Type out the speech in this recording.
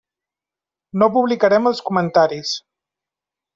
No publicarem els comentaris.